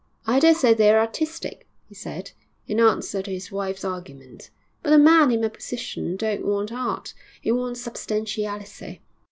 'I dare say they're artistic,' he said, in answer to his wife's argument, 'but a man in my position don't want art he wants substantiality.